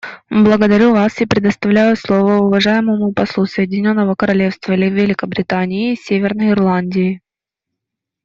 Благодарю вас и предоставляю слово уважаемому послу Соединенного Королевства Великобритании и Северной Ирландии.